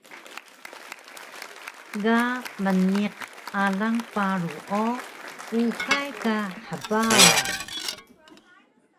Ga mniq alang paru o uxay ka hbaraw